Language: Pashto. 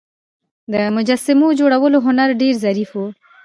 د مجسمو جوړولو هنر ډیر ظریف و